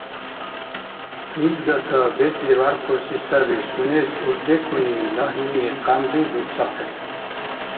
Кьиз гата бецӀли бяркъурси саби сунес урдекуни, лагьни, къянби дурцахъес.